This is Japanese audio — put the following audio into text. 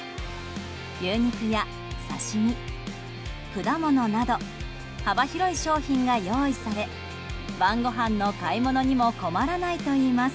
牛肉や刺し身、果物など幅広い商品が用意され晩ごはんの買い物にも困らないといいます。